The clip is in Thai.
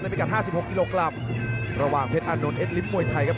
พิกัด๕๖กิโลกรัมระหว่างเพชรอานนท์เอ็ดลิ้มมวยไทยครับ